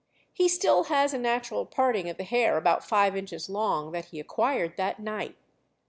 He still has a natural parting of the hair about five inches long, that he acquired that night.